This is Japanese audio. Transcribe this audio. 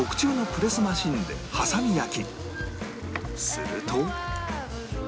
すると